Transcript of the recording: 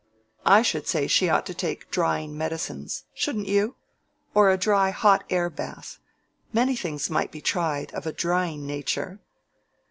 I should say she ought to take drying medicines, shouldn't you?—or a dry hot air bath. Many things might be tried, of a drying nature."